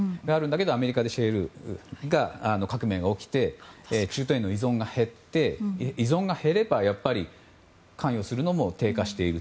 でも、アメリカでシェール革命が起きて中東への依存が減って依存が減ればやっぱり関与するのも低下していく。